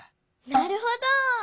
なるほど！